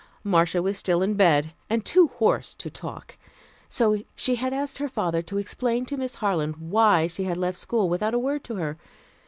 Marcia was still in bed, and too hoarse to talk, so she had asked her father to explain to Miss Harland why she had left school without a word to her.